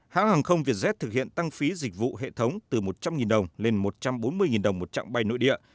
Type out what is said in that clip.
hãng hàng không vietjet thực hiện tăng phí dịch vụ hệ thống từ một trăm linh đồng lên một trăm bốn mươi đồng một chặng bay nội địa